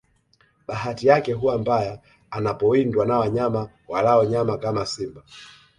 Bahati yake huwa mbaya anapowindwa na wanyama walao nyama kama simba